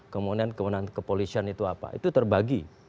kemudian kewenangan kepolisian itu apa itu terbagi